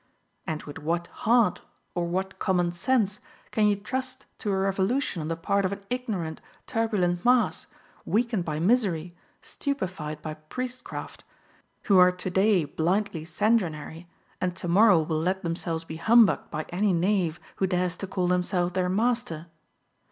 And with what heart or what common sense can you trust to a revolution on the part of an ignorant, turbulent mass, weakened by misery, stupefied by priestcraft, who are today blindly sanguinary and tomorrow will let themselves be humbugged by any knave, who dares to call himself their master?